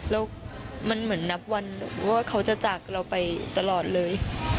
แล้วมันเหมือนนับวันว่าเขาจะจากเราไปตลอดเลย